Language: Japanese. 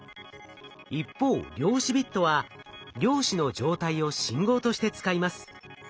一方量子ビットは量子の状態を信号として使います。